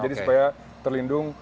jadi supaya terlindung